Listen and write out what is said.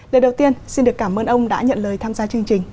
lời đầu tiên xin được cảm ơn ông đã nhận lời tham gia chương trình